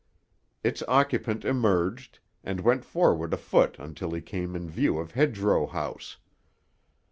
Its occupant emerged, and went forward afoot until he came in view of Hedgerow House.